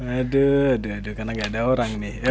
aduh aduh karena gak ada orang nih